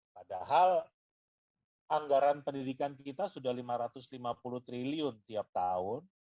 padahal anggaran pendidikan kita sudah lima ratus lima puluh triliun tiap tahun